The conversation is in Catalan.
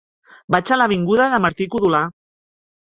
Vaig a l'avinguda de Martí-Codolar.